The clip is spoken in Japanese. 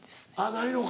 ないのか。